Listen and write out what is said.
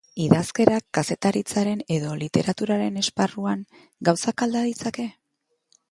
Idazkerak, kazetaritzaren edo literaturaren esparruan, gauzak alda ditzake?